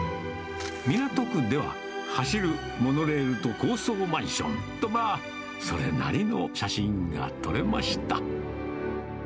港区では、走るモノレールと高層マンション、とまあ、それなりの写真が撮れました。